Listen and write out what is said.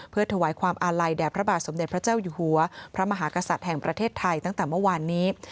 เพื่อถวายความอาลัยแด่พระบาทสมเด็จพระเจ้าอยู่หัวพระมหากษัตริย์แห่งประเทศไทยตั้งแต่เมื่อวานนี้